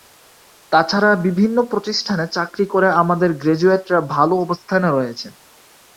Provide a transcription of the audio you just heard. তা ছাড়া বিভিন্ন প্রতিষ্ঠানে চাকরি করে আমাদের গ্র্যাজুয়েটরা ভালো অবস্থানে রয়েছেন।